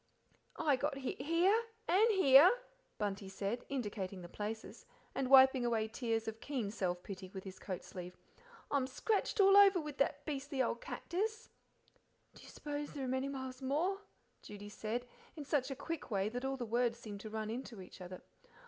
"I got hit here and here," Bunty said, indicating the places, and wiping away tears of keen self pity with his coat sleeve. "I'm scratched all over with that beastly old cactus." "Do you suppose there are many miles more?" Judy said, in such a quick way that all the words seemed to run into each other.